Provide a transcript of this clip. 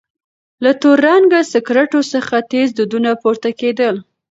له تور رنګه سکروټو څخه تېز دودونه پورته کېدل.